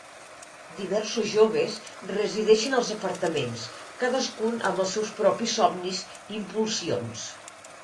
Diversos joves resideixen als apartaments, cadascun amb els seus propis somnis i impulsions.